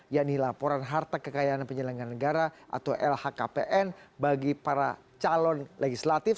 yakni laporan harta kekayaan penyelenggaran negara atau lhkpn bagi para calon legislatif